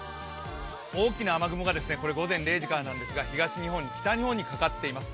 大きな雨雲が、午前０時から、東日本、北日本にかかっています。